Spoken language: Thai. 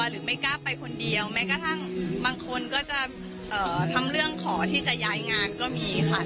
หรือไม่กล้าไปคนเดียวแม้กระทั่งบางคนก็จะทำเรื่องขอที่จะย้ายงานก็มีค่ะ